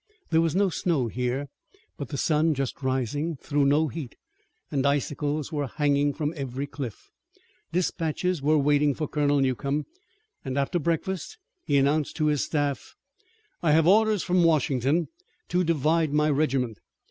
There was no snow here, but the sun, just rising, threw no heat, and icicles were hanging from every cliff. Dispatches were waiting for Colonel Newcomb, and after breakfast he announced to his staff: "I have orders from Washington to divide my regiment.